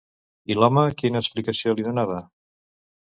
I l'home quina explicació li dona?